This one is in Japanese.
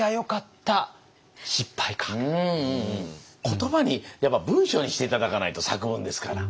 言葉にやっぱ文章にして頂かないと作文ですから。